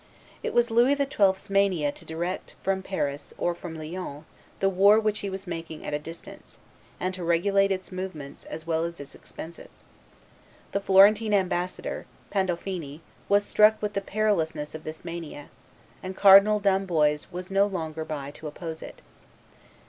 It was Louis XII.'s mania to direct, from Paris or from Lyons, the war which he was making at a distance, and to regulate its movements as well as its expenses. The Florentine ambassador, Pandolfini, was struck with the perilousness of this mania; and Cardinal d'Amboise was no longer by to oppose it.